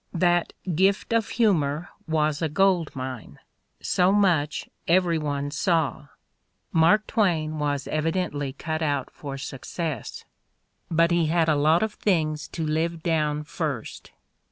That gift of humor was a gold mine — so much every one saw: Mark Twain was evi 104 The Ordeal of Mark Twain dently cut out for success. But he had a lot of things to live down first!